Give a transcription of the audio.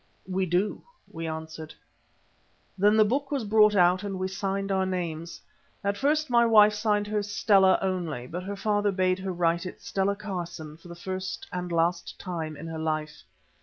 "We do," we answered. Then the book was brought out and we signed our names. At first my wife signed hers "Stella" only, but her father bade her write it Stella Carson for the first and last time in her life.